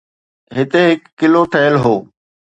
هتي هڪ قلعو ٺهيل هو